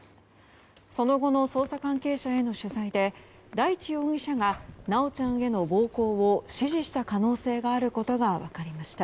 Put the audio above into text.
その後の捜査関係者への取材で大地容疑者が修ちゃんへの暴行を指示した可能性があることが分かりました。